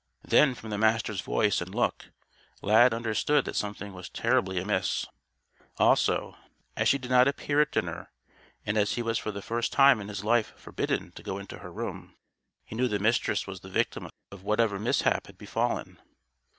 Then from the Master's voice and look, Lad understood that something was terribly amiss. Also, as she did not appear at dinner and as he was for the first time in his life forbidden to go into her room, he knew the Mistress was the victim of whatever mishap had befallen.